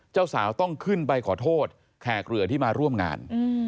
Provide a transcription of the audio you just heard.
เจ้าสาวต้องขึ้นไปขอโทษแขกเรือที่มาร่วมงาน